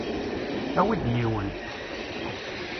Awi-d yiwen.